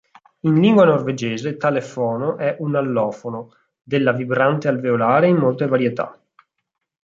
In lingua norvegese tale fono è un allofono della vibrante alveolare in molte varietà.